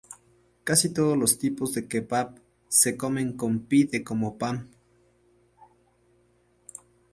Casi todos los tipos de kebab se comen con pide como pan.